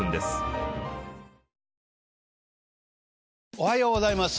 おはようございます。